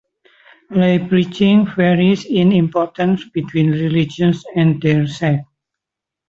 Lay preaching varies in importance between religions and their sects.